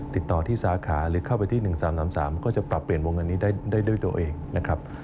ติดต่อที่สาขาหรือเข้าไปที่๑๓๓ก็จะปรับเปลี่ยนวงเงินนี้ได้ด้วยตัวเองนะครับ